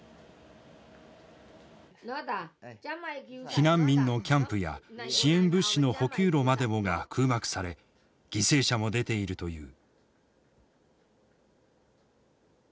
避難民のキャンプや支援物資の補給路までもが空爆され犠牲者も出ているという。